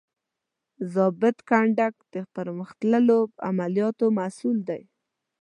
ضابط کنډک د پرمخ تللو د عملیاتو مسؤول دی.